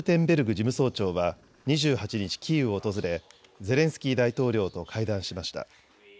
事務総長は２８日、キーウを訪れゼレンスキー大統領と会談しました。